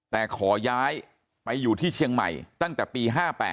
แต่ขอย้ายไปอยู่ที่เชียงใหม่ตั้งแต่ปี๕๘